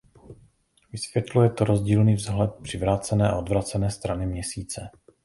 Vysvětluje to rozdílný vzhled přivrácené a odvrácené strany Měsíce.